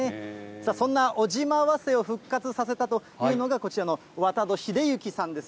そんな尾島早生を復活させたというのが、こちらの渡戸秀行さんです。